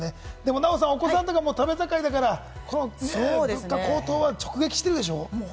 でも、ナヲさん、お子様も食べ盛りだから物価高騰は直撃しているでしょ？